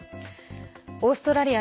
オーストラリア